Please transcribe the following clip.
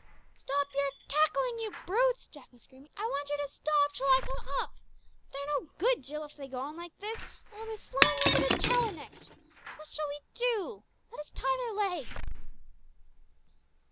"Stop your cackling, you brutes!" Jack was screaming. "I want you to stop till I come up! They're no good, Jill, if they go on like this, and they'll be flying over the tower next. What shall we do? Let us tie their legs!"